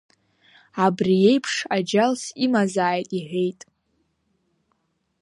Абри еиԥш аџьалс имазааит иҳәеит.